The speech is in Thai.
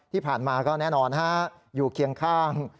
ที่ผ่านมาก็แน่นอนอยู่เคียงข้าง